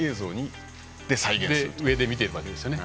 上で見ているわけですね。